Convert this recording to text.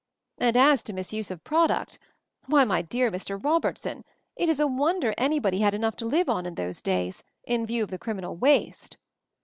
And as to misuse of product — why, my dear Mr. Robertson, it is a wonder anybody had MOVING THE MOUNTAIN 127 enough to live on in those days, in view of our criminal waste.